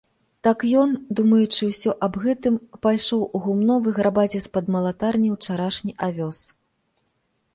Так ён, думаючы ўсё аб гэтым, пайшоў у гумно выграбці з-пад малатарні ўчарашні авёс.